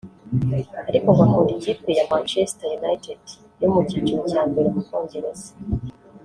ariko ngo akunda ikipe ya Manchester United yo mu cyiciro cya mbere mu Bwongereza